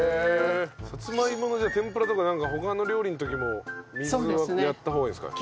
さつまいものじゃあ天ぷらとかなんか他の料理の時も水はやった方がいいですか？